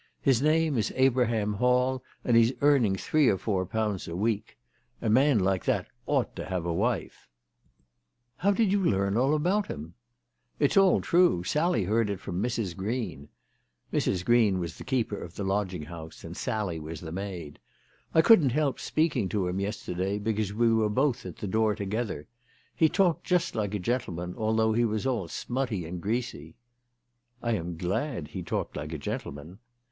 His name is Abraham Hall, and he's earning three or four pounds a week. A man like that ought to have a wife." THE TELEGRAPH GIRL. 277 " How did you learn all about him ?"" It's all true. Sally heard it from Mrs. Green." Mrs. Green was the keeper of the lodging house and Sally was the maid. " I couldn't help speaking to him yesterday because we were both at the door together. He talked just like a gentleman although he was all smutty and greasy." " I am glad he talked like a gentleman."